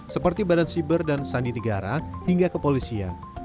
seperti badan siber dan sandi negara hingga kepolisian